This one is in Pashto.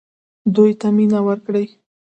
دوی ته مینه ورکړئ